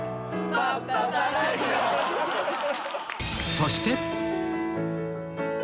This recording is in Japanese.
そして